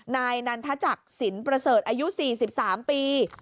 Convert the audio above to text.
นายนั้นถ้าจักศิลประเสริฐอายุ๔๓ปี